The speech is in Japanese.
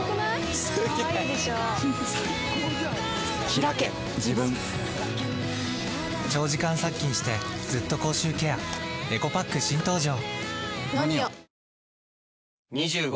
ひらけ自分長時間殺菌してずっと口臭ケアエコパック新登場！